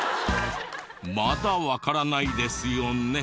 まだわからないですよね。